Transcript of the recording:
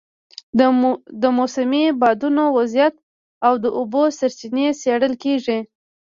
د موسمي بادونو وضعیت او د اوبو سرچینې څېړل کېږي.